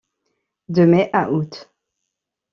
De mai à août.